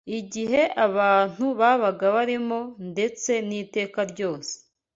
igihe abantu babaga barimo ndetse n’iteka ryose